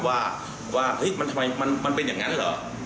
ว่ามันเป็นอย่างนั้นหรือ